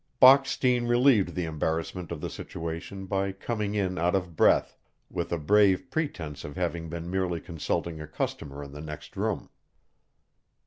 Bockstein relieved the embarrassment of the situation by coming in out of breath, with a brave pretense of having been merely consulting a customer in the next room.